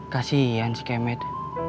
kasian si kemet